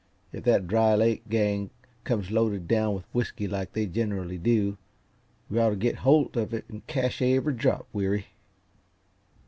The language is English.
If that Dry Lake gang comes loaded down with whisky, like they generally do, we ought to get hold of it and cache every drop, Weary."